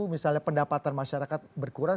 misalnya pendapatan masyarakat berkurang